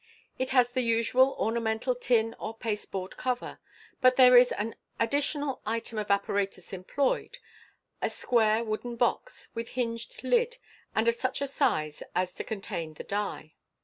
It has the usual ornamental tin or paste board cover, but there is an additional item of apparatus employed, a square wooden box, with hinged lid, and of such a size as just to contain the die.